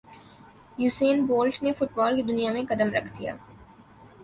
Usain bolt نے football کی دنیا میں قدم رکھ دیا